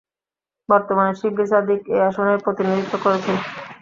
বর্তমানে শিবলী সাদিক এই আসনের প্রতিনিধিত্ব করছেন।